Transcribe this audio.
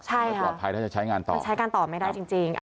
ใช่ค่ะใช้การตอบไม่ได้จริง